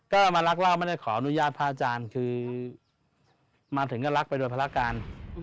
ก็มารักรอบไม่ได้ขออนุญาตพระอาจารย์คือมาถึงก็รักไปโดยภารการ